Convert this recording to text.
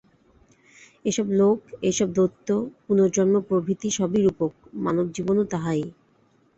এইসব লোক, এইসব দৈত্য, পুনর্জন্ম প্রভৃতি সবই রূপক, মানবজীবনও তাহাই।